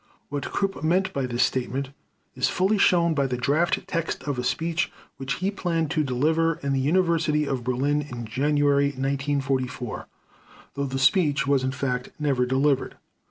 What Krupp meant by this statement is fully shown by the draft text of a speech which he planned to deliver in the University of Berlin in January 1944, though the speech was in fact never delivered.